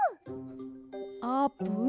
あーぷん